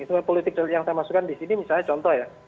itu politik yang saya maksudkan di sini misalnya contoh ya